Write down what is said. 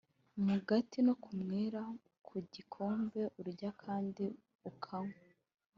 mugati no kunywera ku gikombe Urya kandi akanywa